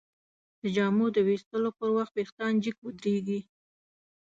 د جامو د ویستلو پر وخت وېښتان جګ ودریږي.